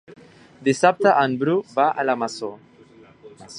Dissabte en Bru va a la Masó.